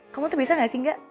kamu tuh bisa nggak sih nggak